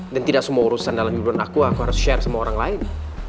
dan tidak semua urusan dalam hidup aku aku harus share sama orang lain